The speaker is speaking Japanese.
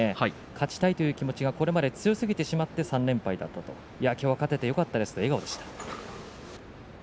勝ちたいという気持ちがこれまで強すぎてしまった３連敗だったと、きょうは勝ててよかったと笑顔でした。